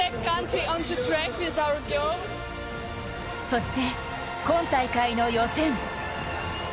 そして、今大会の予選。